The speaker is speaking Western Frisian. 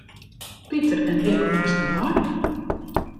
Piter en ik moasten mei.